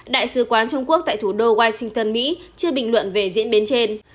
đại sứ quán trung quốc tại thủ đô washington mỹ chưa bình luận về diễn biến trên